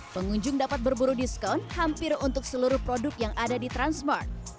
pengunjung dapat berburu diskon hampir untuk seluruh produk yang ada di transmart